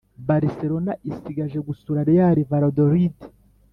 barcelona isigaje gusura real valladolid